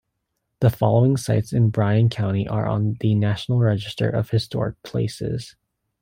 The following sites in Bryan county are on the National Register of Historic Places.